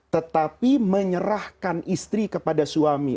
tetapi menyerahkan istri kepada suami